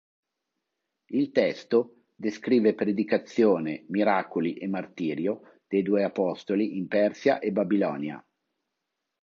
Il testo descrive predicazione, miracoli e martirio dei due apostoli in Persia e Babilonia.